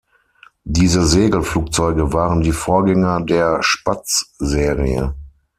Diese Segelflugzeuge waren die Vorgänger der "Spatz"-Serie.